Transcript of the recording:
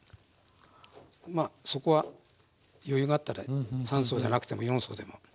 まあそこは余裕があったら３層じゃなくても４層でも。